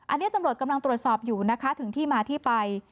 อันนี้ตำรวจกำลังตรวจสอบอยู่นะคะถึงที่มาที่ไป